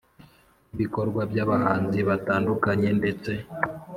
n’ibikorwa by’abahanzi batandukanye ndetse